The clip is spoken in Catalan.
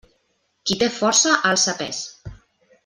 Qui té força, alça pes.